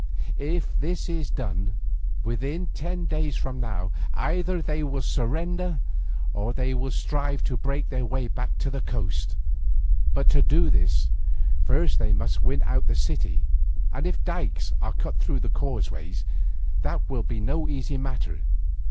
If this is done, within ten days from now, either they will surrender or they will strive to break their way back to the coast. But to do this, first they must win out of the city, and if dykes are cut through the causeways, that will be no easy matter.